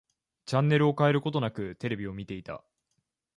チャンネルを変えることなく、テレビを見ていた。